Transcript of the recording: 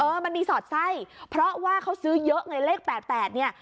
มันมีสอดไส้เพราะว่าเขาซื้อเยอะไงเลข๘๘เนี่ย